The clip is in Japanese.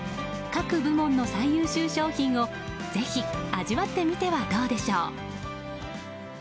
各部門の最優秀賞品をぜひ味わってみてはいかがでしょう。